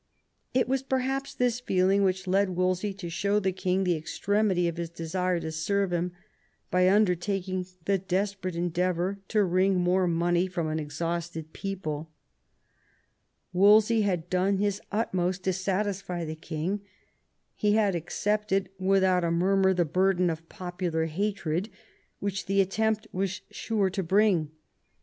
It was perhaps this feeling which led Wolsey to show the king the extremity of his desire to serve him by undertaking the desperate endeavour to wring more money from an exhausted peopla Wolsey had done his utmost to satisfy the king ; he had accepted without a murmur the burden of popular hatred which the attempt was sure to bring.